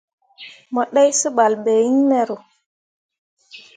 Mo ɗai seɓal ɓe iŋ mero.